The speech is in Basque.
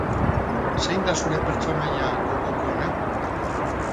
Zein da zure pertsonaia gogokoena?